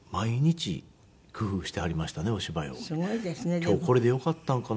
「今日これでよかったんかな」。